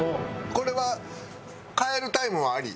これは変えるタイムはあり？